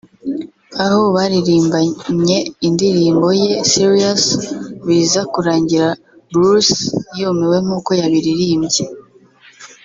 aho baririmbanye indirimbo ye” Serious” biza kurangira Bruce yumiwe nkuko yabiririmbye